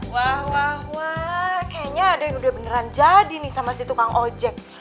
wah wah wah kayaknya ada yang udah beneran jadi nih sama si tukang ojek